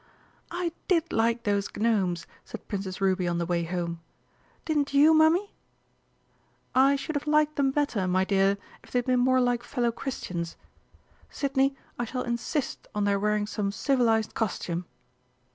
"I did like those Gnomes!" said Princess Ruby on the way home. "Didn't you, Mummy?" "I should have liked them better, my dear, if they had been more like fellow Christians. Sidney, I shall insist on their wearing some civilised costume."